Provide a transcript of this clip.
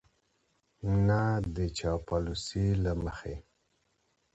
نه د چاپلوسۍ له مخې